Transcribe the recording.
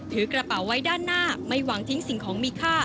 ถือกระเป๋าไว้ด้านหน้าไม่หวังทิ้งสิ่งของมีค่า